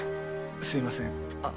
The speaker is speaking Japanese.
すいませんあ。